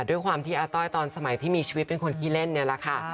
ด้วยความที่อาต้อยตอนสมัยที่มีชีวิตเป็นคนขี้เล่นเนี่ยแหละค่ะ